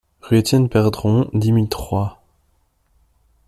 Rue Étienne Pedron, dix mille Troyes